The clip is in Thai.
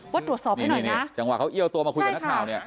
ว่าตรวจสอบให้หน่อยเนี่ยจังหวะเขาเอี้ยวตัวมาคุยกับนักข่าวเนี่ย